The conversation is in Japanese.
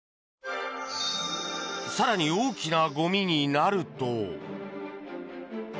更に大きなゴミになると。